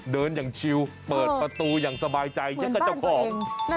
เดินอย่างชิลเปิดประตูอย่างสบายใจเหมือนบ้านตัวเอง